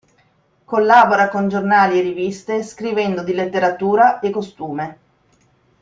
Collabora con giornali e riviste scrivendo di letteratura e costume.